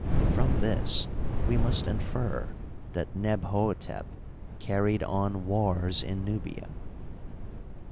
From this we must infer that Nebhotep car ried on wars in Nubia.